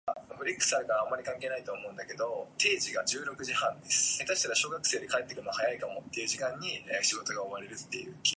This is known as robotic contact printing or robotic spotting.